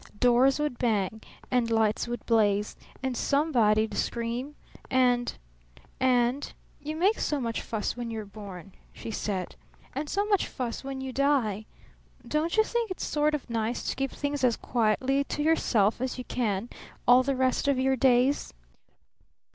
"Doors would bang and lights would blaze and somebody'd scream and and you make so much fuss when you're born," she said, "and so much fuss when you die don't you think it's sort of nice to keep things as quietly to yourself as you can all the rest of your days?"